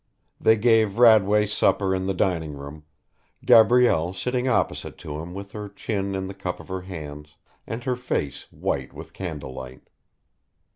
They gave Radway supper in the dining room, Gabrielle sitting opposite to him with her chin in the cup of her hands and her face white with candle light.